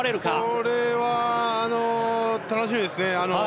これは楽しみですね。